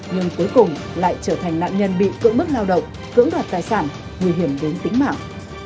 nhưng cuối cùng lại trở thành nạn nhân bị cưỡng bức lao động cưỡng đoạt tài sản nguy hiểm đến tính mạng